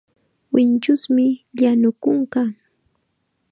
Winchusmi llanu kunka.